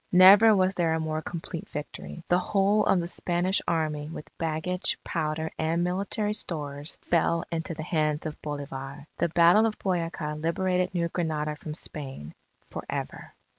Never was there a more complete victory. The whole of the Spanish Army with baggage, powder, and military stores, fell into the hands of Bolivar. The Battle of Boyaca liberated New Granada from Spain, for ever.